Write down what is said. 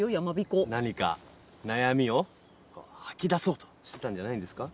何か悩みをこう吐き出そうとしてたんじゃないんですか？